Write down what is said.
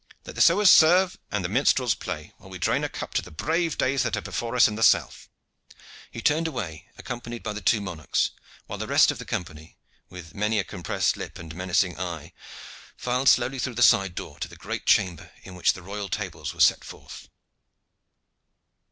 Let the sewers serve and the minstrels play, while we drain a cup to the brave days that are before us in the south!" He turned away, accompanied by the two monarchs, while the rest of the company, with many a compressed lip and menacing eye, filed slowly through the side door to the great chamber in which the royal tables were set forth.